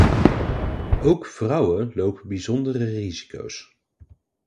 Ook vrouwen lopen bijzondere risico's.